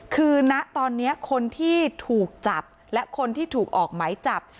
คือณตอนนี้คนที่ถูกจับและคนที่ถูกออกไหมจับ